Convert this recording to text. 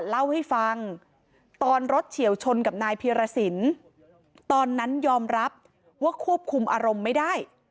เล่าให้ฟังตอนรถเฉียวชนกับนายพีรสินตอนนั้นยอมรับว่าควบคุมอารมณ์ไม่ได้